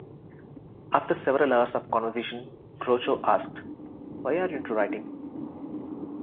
After several hours of conversation Groucho asked Why aren't you writing?